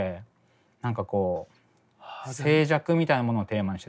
何かこう静寂みたいなものをテーマにして作ったんですよ。